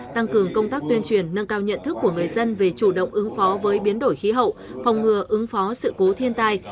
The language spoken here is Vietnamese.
tăng cường công tác tuyên truyền nâng cao nhận thức của người dân về chủ động ứng phó với biến đổi khí hậu phòng ngừa ứng phó sự cố thiên tai